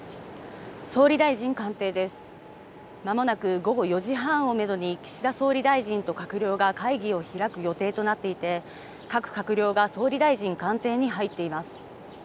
まもなく午後４時半をめどに岸田総理大臣と閣僚が会議を開く予定となっていて、各閣僚が総理大臣官邸に入っています。